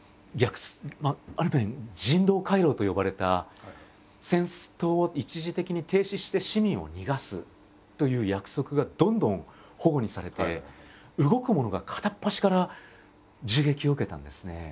ある面「人道回廊」と呼ばれた戦闘を一時的に停止して市民を逃がすという約束がどんどんほごにされて動くものが片っ端から銃撃を受けたんですね。